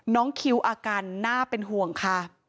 น้องคิวอาการน่าเป็นห่วงค่ะ